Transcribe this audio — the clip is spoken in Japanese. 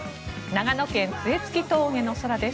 長野県・杖突峠の空です。